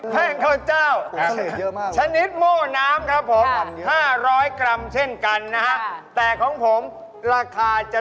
แป้งมันสำหรับ๕๐๐กรัมราคาไม่แพงครับนะครับนะฮะ